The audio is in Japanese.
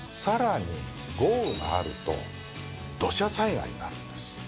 さらに豪雨があると土砂災害があるんです。